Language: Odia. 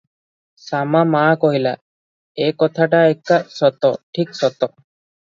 ଶାମା ମାଆ କହିଲା, "ଏକଥାଟାଏକା ସତ, ଠିକ୍ ସତ ।